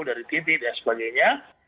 dari titi dan sebagainya